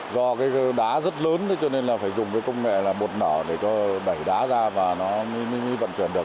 do cái đá rất lớn cho nên là phải dùng công nghệ bột nở để đẩy đá ra và nó vận chuyển được